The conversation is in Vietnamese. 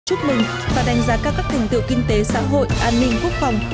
chúc mừng và đánh giá cao các thành tựu kinh tế xã hội an ninh quốc phòng